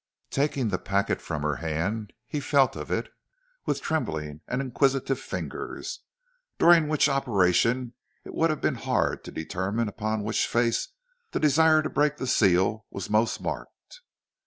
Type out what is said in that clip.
Taking the packet from her hand, he felt of it with trembling and inquisitive fingers, during which operation it would have been hard to determine upon which face the desire to break the seal was most marked.